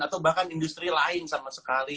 atau bahkan industri lain sama sekali